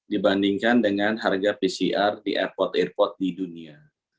dibandingkan dengan harga pcr di airport airport di dunia